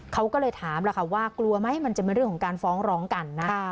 เขาก็เลยถามแล้วค่ะว่ากลัวไหมมันจะเป็นเรื่องของการฟ้องร้องกันนะ